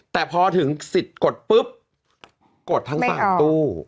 แต่พอถึงสิทธิ์กดปุ๊บกดทั้ง๓ตู้